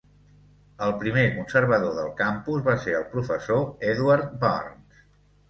El primer conservador del campus va ser el professor Edward Barnes.